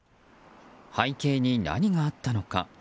背景に何があったのか。